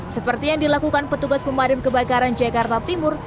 seperti yang dilakukan petugas pemadam kebakaran jakarta timur